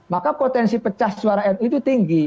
maka potensi pecah suara nu itu tinggi